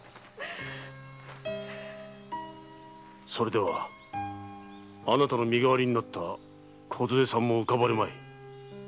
それでは身代わりになったこずえさんも浮かばれまい。